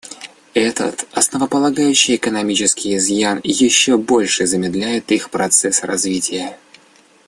Этот основополагающий экономический изъян еще больше замедляет их процесс развития.